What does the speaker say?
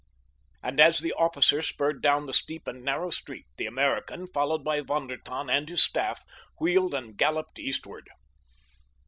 And as the officer spurred down the steep and narrow street the American, followed by Von der Tann and his staff, wheeled and galloped eastward.